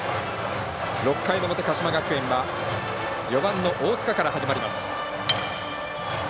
６回の表、鹿島学園は４番、大塚から始まります。